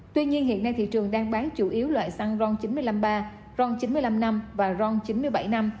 tuy nhiên hiện nay thị trường đang bán chủ yếu lợi xăng ron chín mươi năm ba ron chín mươi năm năm và ron chín mươi bảy năm